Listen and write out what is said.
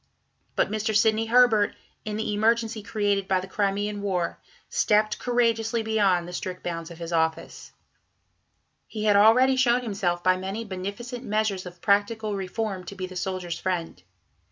But Mr. Sidney Herbert, in the emergency created by the Crimean War, stepped courageously beyond the strict bounds of his office. He had already shown himself by many beneficent measures of practical reform to be the Soldiers' Friend.